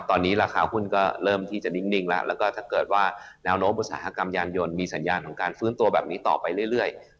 ตอนนี้ราคาหุ้นก็เริ่มที่จะนิ่งแล้วแล้วก็ถ้าเกิดว่าแนวโน้มอุตสาหกรรมยานยนต์มีสัญญาณของการฟื้นตัวแบบนี้ต่อไปเรื่อย